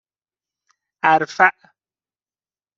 اَرفع